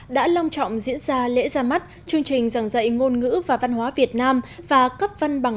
đã long trọng diễn ra lễ ra mắt chương trình giảng dạy ngôn ngữ và văn hóa việt nam và cấp văn bằng